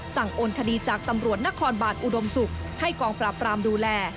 โอนคดีจากตำรวจนครบาลอุดมศุกร์ให้กองปราบรามดูแล